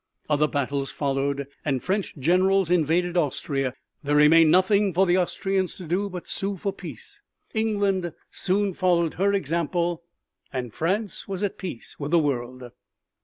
Other battles followed, and French generals invaded Austria. There remained nothing for the Austrians to do but sue for peace. England soon followed her example and France was at peace with the world.